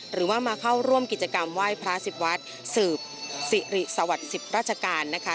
หรือว่ามีเข้าร่วมกิจกรรมไหวพระสิบวัตรศิริสวรรทศิสติรัจการนะคะ